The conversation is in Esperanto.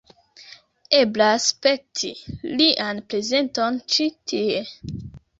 Eblas spekti lian prezenton ĉi tie.